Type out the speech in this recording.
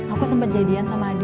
aku sempat jadian sama adi